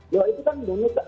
ya itu kan bonus